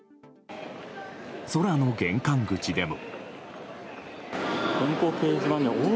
空の玄関口でも。